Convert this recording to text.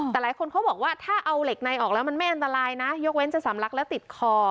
แต่หลายคนเขาบอกว่าถ้าเอาเหล็กในออกแล้วมันไม่อันตรายนะยกเว้นจะสำลักแล้วติดคอ